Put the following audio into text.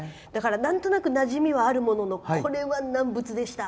なんとなくなじみはあるもののこれは難物でした。